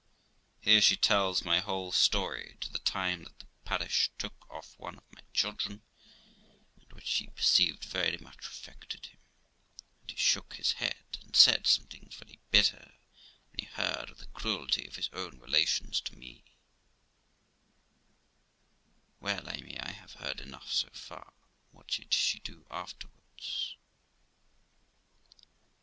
[Here she tells my whole story to the time that the parish took off one of my children, and which she perceived very much affected him; and he shook his head, and said some things very bitter when he heard of the cruelty of his own relations to me.] Gent. Well, Amy, I have heard enough so far. What did she do afterwards